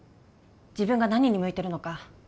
自分が何に向いてるのか